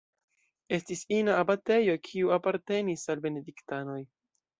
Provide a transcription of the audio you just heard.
Estis ina abatejo, kiu apartenis al benediktanoj.